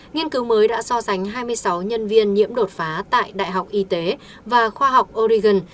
nghiên cứu mới đã so sánh hai mươi sáu nhân viên nhiễm đột phá tại đại học y tế và khoa học origan